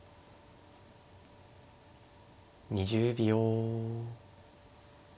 ２０秒。